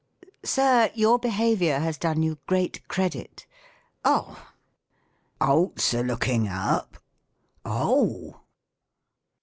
" Sir, your behavior has done you great credit." "Oh!" "Oats are looking up." "Oh!"